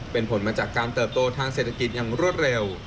เป็นผลมาจากการเติบโตทางเศรษฐกิจอย่างรวดเร็ว